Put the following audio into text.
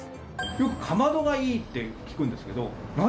よく「かまどがいい」って聞くんですけどなぜなんですか？